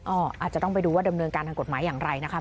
อาจจะต้องไปดูว่าดำเนินการทางกฎหมายอย่างไรนะคะ